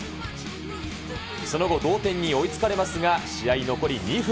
その後、同点に追いつかれますが、試合残り２分。